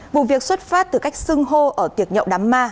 vụ việc xuất phát từ cách sưng hô ở tiệc nhậu đám ma